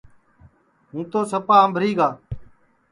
ہوں تو سپا آمبھری گا